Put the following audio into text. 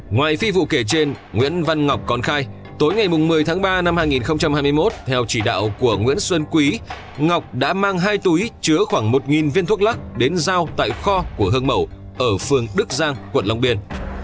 ngoài phi vụ kể trên nguyễn văn ngọc còn khai tối ngày một mươi tháng ba năm hai nghìn hai mươi một theo chỉ đạo của nguyễn xuân quý ngọc đã mang hai túi chứa khoảng một viên thuốc lắc đến giao tại kho của hương mầu ở phường đức giang quận long biên